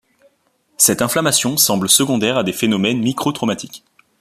Cette inflammation semble secondaire à des phénomènes micro-traumatiques.